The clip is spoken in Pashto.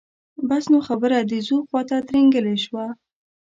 بس نو خبره د ځو خواته ترینګلې شوه.